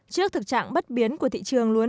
trước thực trạng bất biến của thị trường lúa